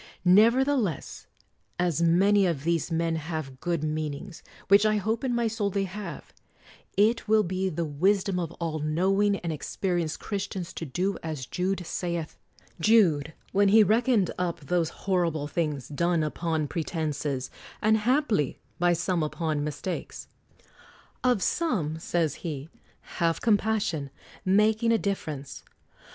Nevertheless, as many of these men have good meanings, which I hope in my soul they have, it will be the wisdom of all knowing and experienced Christians to do as Jude saith — Jude, when he reckoned up those horrible things, done upon pretenses, and haply by some upon mis takes: "Of some," says he, "have compassion, making a difference